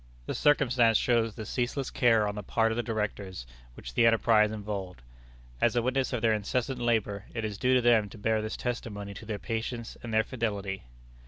The circumstance shows the ceaseless care on the part of the directors which the enterprise involved. As a witness of their incessant labor, it is due to them to bear this testimony to their patience and their fidelity.